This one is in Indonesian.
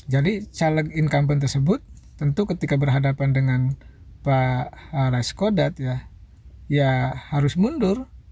jadi caleg incumbent tersebut tentu ketika berhadapan dengan pak laiskodat ya harus mundur